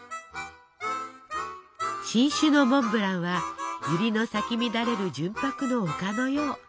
新種のモンブランはゆりの咲き乱れる純白の丘のよう。